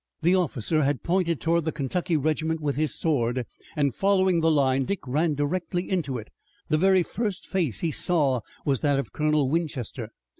The officer had pointed toward the Kentucky regiment with his sword, and following the line Dick ran directly into it. The very first face he saw was that of Colonel Winchester.